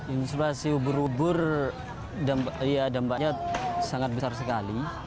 inflasi ubur ubur dampaknya sangat besar sekali